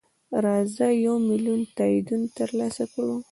راځه یو میلیون تاییدونه ترلاسه کړو.